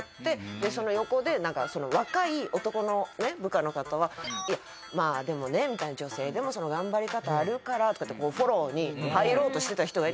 でその横で若い男の部下の方はいやまあでもね女性でも頑張り方あるからとかってフォローに入ろうとしてた人がいたんです。